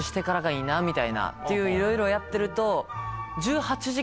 みたいないろいろやってると。